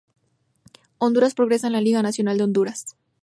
Honduras Progreso de la Liga Nacional de Honduras.